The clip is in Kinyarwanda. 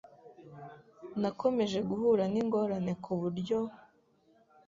Nakomeje guhura n’ingorane kuburyo